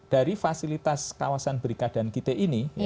dari fasilitas kawasan berikat dan kite ini